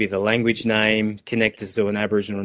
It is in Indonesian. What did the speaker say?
berhubung dengan negara aboriginal